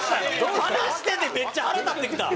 話しててめっちゃ腹立ってきた。